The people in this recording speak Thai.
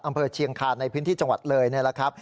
อัมเพรตเชียงฆาตในพื้นที่จังหวัดเรย์เนี่ยแหละ